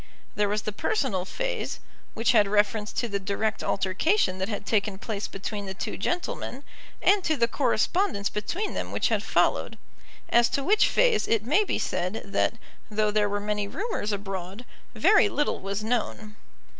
There was the personal phase, which had reference to the direct altercation that had taken place between the two gentlemen, and to the correspondence between them which had followed, as to which phase it may be said that though there were many rumours abroad, very little was known.